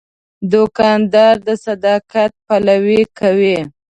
دوکاندار د صداقت پلوي کوي.